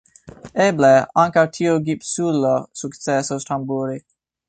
Eble, ankaŭ tiu gipsulo sukcesos tamburi.